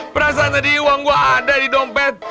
perasaan tadi uang gue ada di dompet